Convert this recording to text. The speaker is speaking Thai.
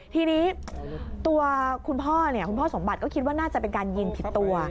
ทีนี้ตัวคุณพ่อคุณพ่อสมบัติก็คิดว่าน่าจะเป็นการยิงผิดตัว